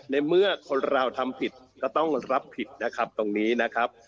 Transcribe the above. ในเมื่อคนเราทำผิดก็ต้องรับผิดนะครับตรงนี้นะครับ